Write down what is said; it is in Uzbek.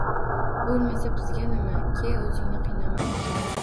Bo'lmasa, bizga nima? Ke, o'zingni qiynama.